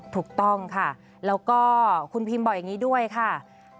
ถูกต้องค่ะแล้วก็คุณพิมบอกอย่างนี้ด้วยค่ะ